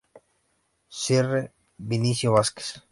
Sr. Vinicio Vasquez